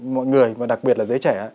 mọi người và đặc biệt là giới trẻ